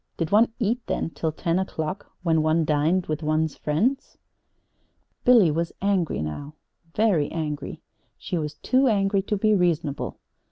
Did one eat, then, till ten o'clock, when one dined with one's friends? Billy was angry now very angry. She was too angry to be reasonable.